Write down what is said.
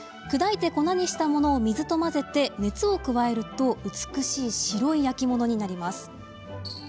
砕いて粉にしたものを水と混ぜて熱を加えると美しい白い焼き物になります。